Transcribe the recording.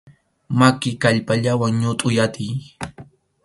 Maki kallpallawan ñutʼuy atiy.